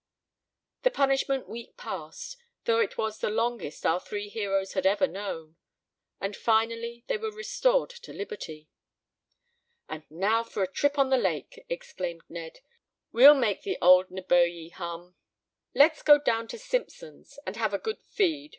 The punishment week passed, though it was the longest our three heroes had ever known, and finally they were restored to liberty. "And now for a trip on the lake!" exclaimed Ned. "We'll make the old Neboje hum!" "Let's go down to Simpson's and have a good feed!"